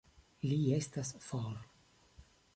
Li estas for.